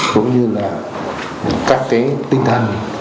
cũng như là các cái tinh thần